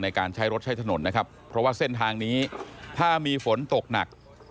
การใช้รถใช้ถนนนะครับเพราะว่าเส้นทางนี้ถ้ามีฝนตกหนัก